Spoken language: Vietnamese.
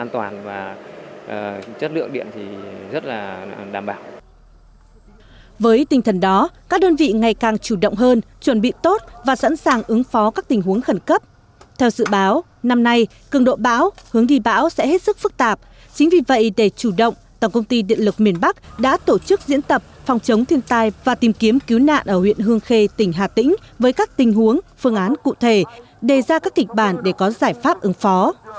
tổng công ty điện lực miền bắc chú trọng và ngày càng chuẩn bị kỹ bài bản hơn để ứng phó kịp thời chủ động với những tình huống thiên tai và tìm kiếm cứu nạn ở huyện hương khê tỉnh hà tĩnh với các tình huống phương án cụ thể đề ra các kịch bản để có giải pháp ứng phó